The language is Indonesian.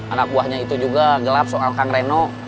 anak buahnya itu juga gelap soal kang reno